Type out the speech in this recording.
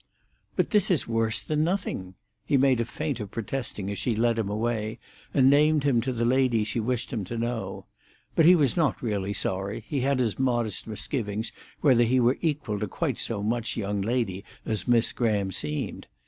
"But this is worse than nothing." He made a feint of protesting as she led him away, and named him to the lady she wished him to know. But he was not really sorry; he had his modest misgivings whether he were equal to quite so much young lady as Miss Graham seemed.